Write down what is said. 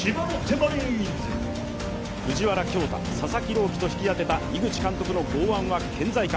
藤原恭大、佐々木朗希と引き当てた井口監督の豪腕は健在か。